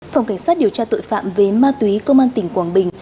phòng cảnh sát điều tra tội phạm về ma túy công an tỉnh quảng bình